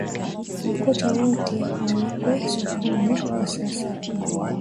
Makocha wote wawekwe sokoni kwa sasa